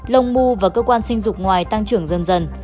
lồng mu và cơ quan sinh dục ngoài tăng trưởng dần dần